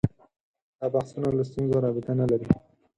دا بحثونه له ستونزو رابطه نه لري